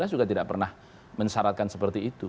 saya juga tidak pernah mensyaratkan seperti itu